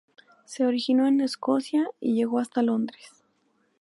Se originó en Escocia, y llegó hasta Londres.